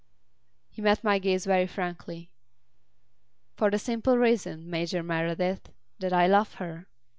He met my gaze very frankly. "For the simple reason, Major Meredyth, that I love her."